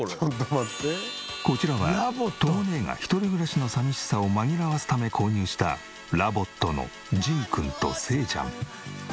こちらはとも姉が１人暮らしの寂しさを紛らわすため購入したＬＯＶＯＴのジンくんとせいちゃん。